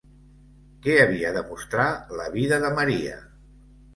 Què havia de mostrar la vida de Maria?